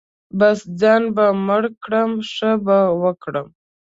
بـس ځان به مړ کړم ښه به وکړم.